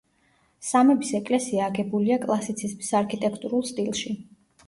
სამების ეკლესია აგებულია კლასიციზმის არქიტექტურულ სტილში.